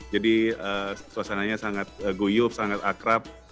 jadi suasananya sangat guyup sangat akrab